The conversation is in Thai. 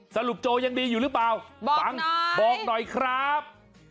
โจยังดีอยู่หรือเปล่าฟังบอกหน่อยครับ